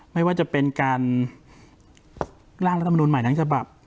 ไม่ว่าจะเป็นการร่างรัฐมนุนใหม่ทั้งฉบับ